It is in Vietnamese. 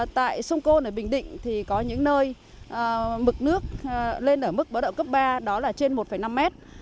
tại sông côn ở bình định có những nơi mực nước lên ở mức bỡ đậu cấp ba đó là trên một năm mét